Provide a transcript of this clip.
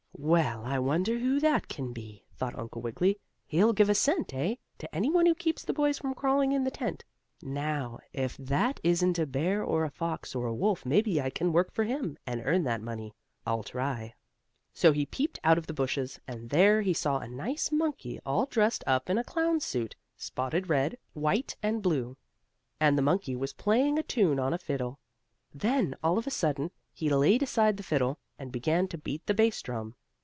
"Well, I wonder who that can be?" thought Uncle Wiggily. "He'll give a cent, eh? to any one who keeps the boys from crawling in the tent. Now, if that isn't a bear or a fox or a wolf maybe I can work for him, and earn that money. I'll try." So he peeped out of the bushes, and there he saw a nice monkey, all dressed up in a clown's suit, spotted red, white and blue. And the monkey was playing a tune on a fiddle. Then, all of a sudden, he laid aside the fiddle, and began to beat the bass drum.